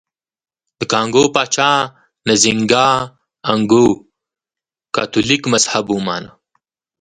د کانګو پاچا نزینګا ا نکؤو کاتولیک مذهب ومانه.